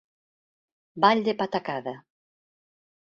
Ball de patacada.